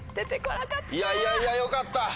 いやいやよかった。